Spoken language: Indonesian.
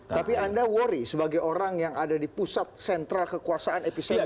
tapi anda worry sebagai orang yang ada di pusat sentral kekuasaan epicenter